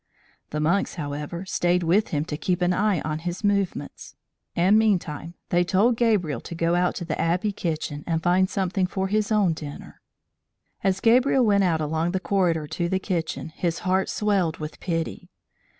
The monks, however, stayed with him to keep an eye on his movements; and meantime they told Gabriel to go out to the Abbey kitchen and find something for his own dinner. As Gabriel went out along the corridor to the kitchen, his heart swelled with pity!